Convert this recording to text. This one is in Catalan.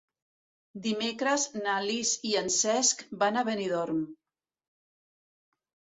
Dimecres na Lis i en Cesc van a Benidorm.